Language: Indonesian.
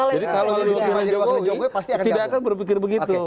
jadi kalau jadi wakilnya jokowi tidak akan berpikir begitu